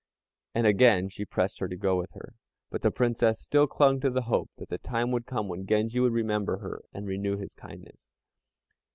And again she pressed her to go with her, but the Princess still clung to the hope that the time would come when Genji would remember her and renew his kindness.